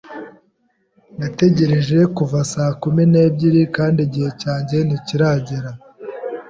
Nategereje kuva saa kumi n'ebyiri kandi igihe cyanjye ntikiragera.